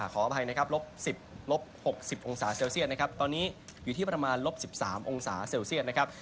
ขออภัยนะครับลบ๑๐ลบ๖๐องศาเซลเซียตนะครับตอนนี้อยู่ที่ประมาณลบ๑๓องศาเซลเซียตนะครับ